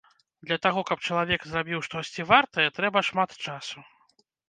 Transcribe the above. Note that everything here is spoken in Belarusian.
Для таго, каб чалавек зрабіў штосьці вартае, трэба шмат часу.